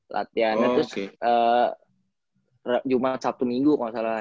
latihannya tuh cuma sabtu minggu kalo gak salah